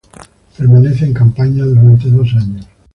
Permanece en campaña durante dos años.